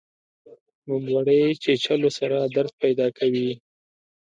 بمبړې چیچلو سره درد پیدا کوي